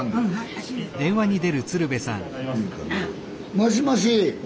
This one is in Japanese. もしもし。